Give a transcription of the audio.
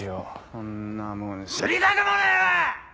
そんなもん知りたくもねえわ！